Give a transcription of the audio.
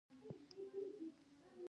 څه د پاسه دوې بجې وې.